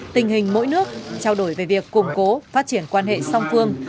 tình hình mỗi nước trao đổi về việc củng cố phát triển quan hệ song phương